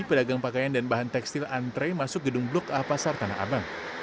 pedagang pakaian dan bahan tekstil antre masuk gedung blok a pasar tanah abang